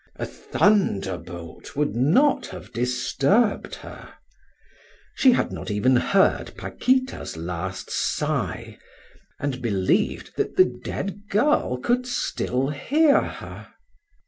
A thunderbolt would not have disturbed her. She had not even heard Paquita's last sigh, and believed that the dead girl could still hear her.